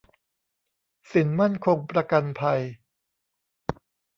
สินมั่นคงประกันภัย